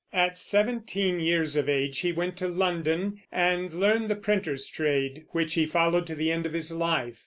At seventeen years of age he went to London and learned the printer's trade, which he followed to the end of his life.